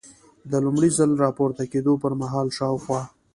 د لومړي ځل را پورته کېدو پر مهال شاوخوا.